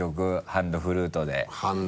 ハンドフルートで？